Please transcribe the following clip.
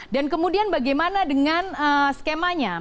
dan kemudian bagaimana dengan skemanya